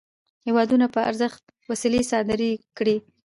هیوادونو په ارزښت وسلې صادري کړې.